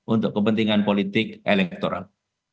untuk kepentingan politik elektoral